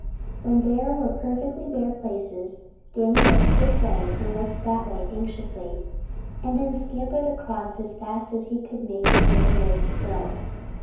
When there were perfectly bare places, Danny looked this way and looked that way anxiously and then scampered across as fast as he could make his little legs go.